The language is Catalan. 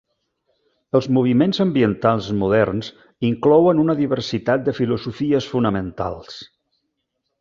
Els moviments ambientals moderns inclouen una diversitat de filosofies fonamentals.